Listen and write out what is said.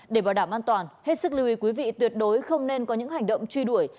để bảo đảm an toàn hết sức lưu ý quý vị tuyệt đối không nên có những hành động truy đuổi